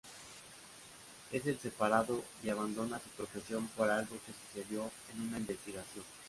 Él es separado y abandona su profesión por algo que sucedió en una investigación.